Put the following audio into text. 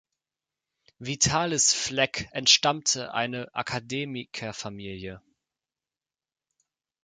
Vitalis Fleck entstammte eine Akademikerfamilie.